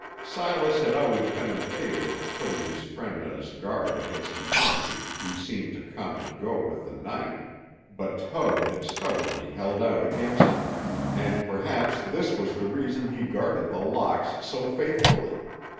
Silas had always been in favor of putting his friend on his guard against an enemy who seemed to come and go with the night, but Tug had stubbornly held out against it, and perhaps this was the reason he guarded The Locks so faithfully.